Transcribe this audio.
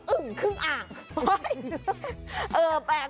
ึ่งครึ่งอ่าง